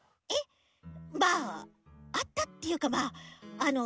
えっまああったっていうかまあ。